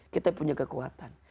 kita punya kekuatan